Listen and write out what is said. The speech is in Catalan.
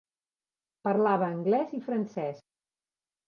Parlava anglès i francès.